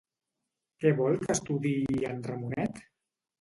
Què vol que estudiï en Ramonet?